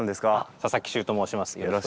佐々木修と申します。